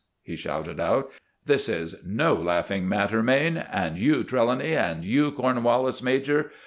he shouted out. "This is no laughing matter, Mayne; and you, Trelawny; and you, Cornwallis major.